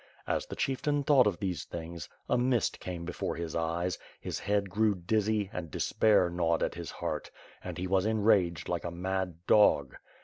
As the chieftain thought of these things, a mist came before his eyes, his head grew dizzy and despair gnawed at his heart, and he was enraged like a mad dog.